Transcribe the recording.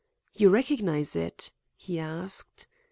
"You recognize it?" he asked.